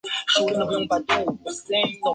刺史尹耀逮捕了强盗。